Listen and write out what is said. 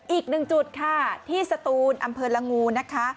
อีกหนึ่งจุดค่ะที่สตูนอำเภอละงูนะคะ